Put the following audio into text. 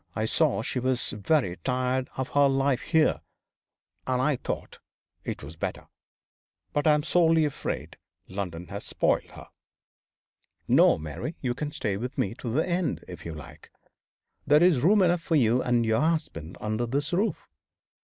I saw she was very tired of her life here, and I thought it was better. But I'm sorely afraid London has spoiled her. No, Mary, you can stay with me to the end, if you like. There is room enough for you and your husband under this roof.